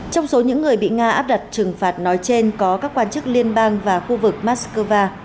trong số những người bị nga áp đặt trừng phạt nói trên có các quan chức liên bang và khu vực moscow